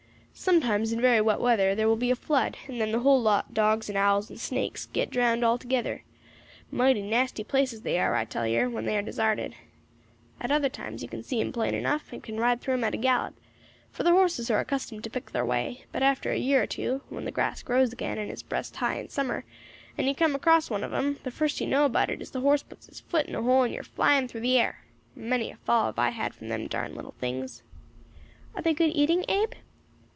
Sometimes, in very wet weather, thar will be a flood, and then the whole lot, dogs and owls and snakes, get drowned all together. Mighty nasty places they are, I tell yer, when they are desarted. At other times you can see 'em plain enough, and can ride through 'em at a gallop, for the horses are accustomed to pick thar way; but after a year or two, when the grass grows again, and is breast high in summer, and you come across one of them, the first you know about it is the horse puts his foot in a hole, and you are flying through the air. Many a fall have I had from them darned little things." "Are they good eating, Abe?"